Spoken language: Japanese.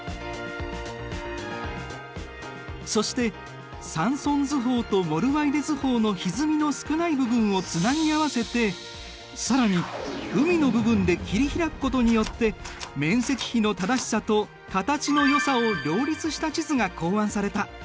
そしてサンソン図法とモルワイデ図法のひずみの少ない部分をつなぎ合わせて更に海の部分で切り開くことによって面積比の正しさと形のよさを両立した地図が考案された。